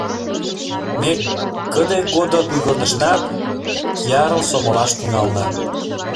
Ме кыде-годо пӱгырнышнат, киярым сомылаш тӱҥална.